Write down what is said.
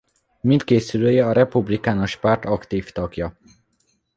Mindkét szülője a Republikánus Párt aktív tagja.